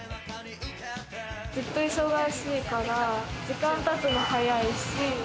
ずっと忙しいから、時間たつの早いし。